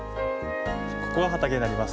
ここがはたけになります。